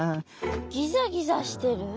ギザギザしてる？